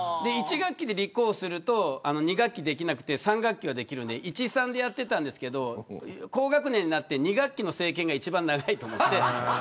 １学期立候補すると２学期できなくて３学期はできるので１・３でやってたんですけれど高学年になって２学期の政権が一番長いと思って。